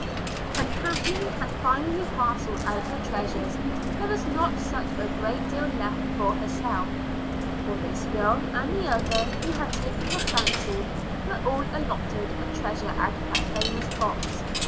When Kathleen had finally parcelled out her treasures there was not such a great deal left for herself, for this girl and the other who had taken her fancy were all allotted a treasure out of that famous box.